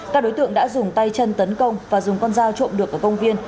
các đối tượng đã dùng tay chân tấn công và dùng con dao trộm được ở công viên